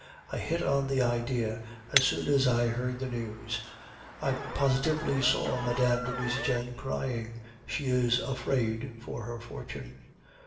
I hit on the idea as soon as I heard the news. I positively saw Mme. de Nucingen crying; she is afraid for her fortune.